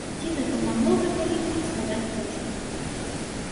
Ці дапамагло гэта ім, сказаць цяжка.